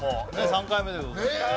３回目でございますねえ